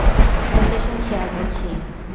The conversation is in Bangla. লোকেশন শেয়ার করছি।